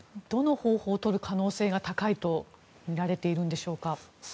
どの方法を取る可能性が高いとみられているんでしょうか。